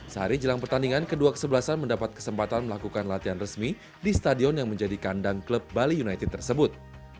sehari jelang pertandingan kedua kesebelasan mendapat kesempatan melakukan latihan resmi di stadion yang menjadi kandang klub bali united tersebut